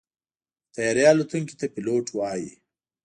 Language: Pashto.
د طیارې الوتونکي ته پيلوټ وایي.